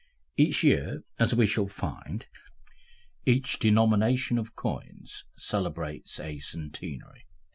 Each year, as we shall find, each denomination of coins celebrates a centenary.